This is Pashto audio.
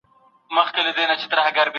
ټولنه ورو ورو بدلېږي لږ.